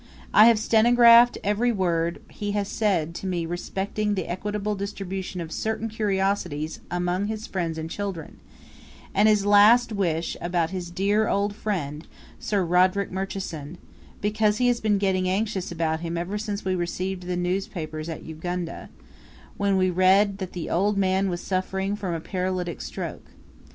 I have stenographed every word he has said to me respecting the equable distribution of certain curiosities among his friends and children, and his last wish about "his" dear old friend, Sir Roderick Murchison, because he has been getting anxious about him ever since we received the newspapers at Ugunda, when we read that the old man was suffering from a paralytic stroke.